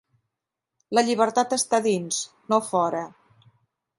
La llibertat està dins, no fora.